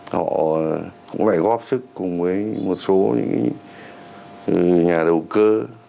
họ cũng phải góp sức cùng với một số những nhà đầu cơ